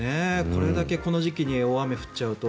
これだけこの時期に大雨が降っちゃうと。